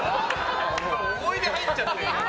思い出入っちゃってる。